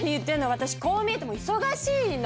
私こう見えても忙しいの。